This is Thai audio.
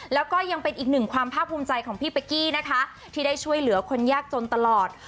แล้วก็ยังเป็นอีกหนึ่งความภาคภูมิใจของพี่เป๊กกี้นะคะที่ได้ช่วยเหลือคนยากจนตลอด